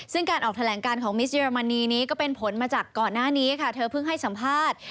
ซึ่งการออกแถลงการของมิสเรมนีนี้ก็เป็นผลมาจากก่อนหน้านี้ค่ะเธอเพิ่งให้สัมภาษณ์